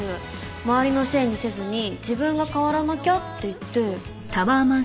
周りのせいにせずに自分が変わらなきゃって言って。